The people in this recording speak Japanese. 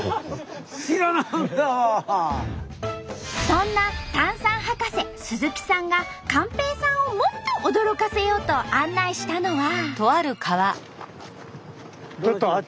そんな炭酸博士鈴木さんが寛平さんをもっと驚かせようと案内したのは。